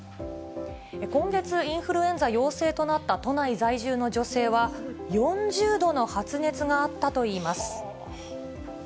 今月、インフルエンザ陽性となった都内在住の女性は、４０度の発熱があったといいます。